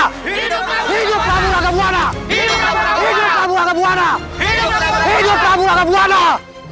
hidup prabu rangabwana